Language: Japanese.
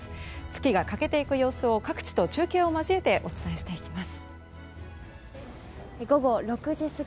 月が欠けていく様子を、各地の中継を交えてお伝えします。